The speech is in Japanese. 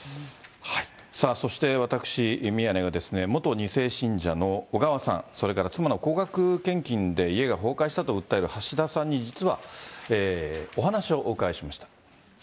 さあ、そして私、宮根が元２世信者の小川さん、それから妻の高額献金で家が崩壊したと訴える橋田さんに実はお話をお伺いしました。